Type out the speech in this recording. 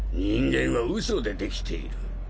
人間はうそでできている。